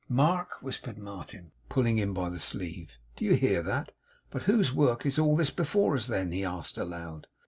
'Mark,' whispered Martin, pulling him by the sleeve, 'do you hear that? But whose work is all this before us, then?' he asked aloud.